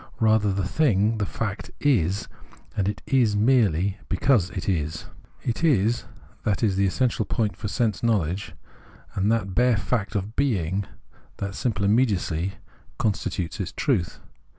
Rather, the thing, the fact, is ; and it is merely because it is. It is — that is the essential point for sense knowledge, and that bare fact of heing, that simple immediacy, constitutes its truth.